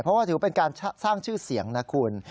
เพราะว่าถือเป็นการสร้างชื่อเสียงนะคุณ